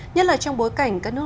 nhất là trong bối cảnh các nước